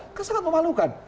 mereka sangat memalukan